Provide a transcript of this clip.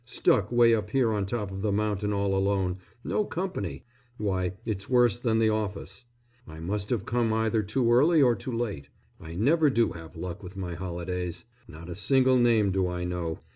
"Stuck 'way up here on top of the mountain all alone, no company; why it's worse than the office. I must have come either too early or too late. I never do have luck with my holidays. Not a single name do I know.